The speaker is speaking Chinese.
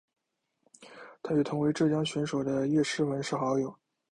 她与同为浙江选手的叶诗文是好友。